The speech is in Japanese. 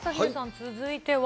続いては。